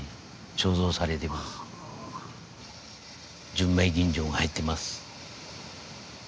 純米吟醸が入ってます。